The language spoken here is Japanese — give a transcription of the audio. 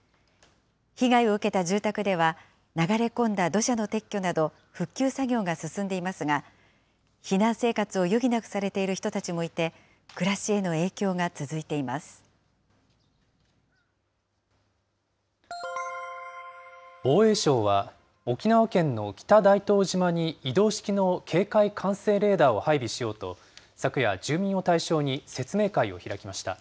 被害を受けた住宅では、流れ込んだ土砂の撤去など復旧作業が進んでいますが、避難生活を余儀なくされている人たちもいて、防衛省は、沖縄県の北大東島に移動式の警戒管制レーダーを配備しようと、昨夜、住民を対象に説明会を開きました。